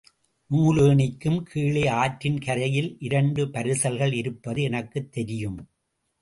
நூலேணிக்கும் கீழே ஆற்றின் கரையில் இரண்டு பரிசல்கள் இருப்பது எனக்குத் தெரியும்.